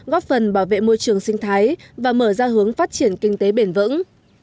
góp phần bảo vệ môi trường sinh thái và mở ra hướng phát triển kinh tế bền vững